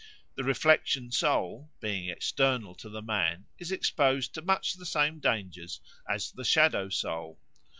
The reflection soul, being external to the man, is exposed to much the same dangers as the shadow soul.